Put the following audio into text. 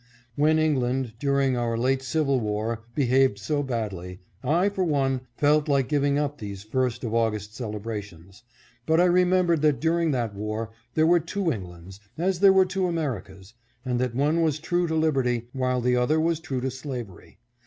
"When England, during our late civil war, behaved so badly, I, for one, felt like giving up these 1st of August celebrations. But I remembered that during that war, there were two Englands, as there were two Americas, and that one was true to liberty while the other was true to slavery.